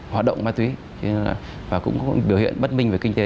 hoạt động ma túy và cũng có biểu hiện bất minh về kinh tế